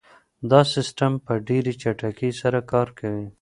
دا سیسټم په ډېره چټکۍ سره کار کوي.